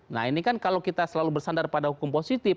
nah ini kan kalau kita selalu bersandar pada hukum positif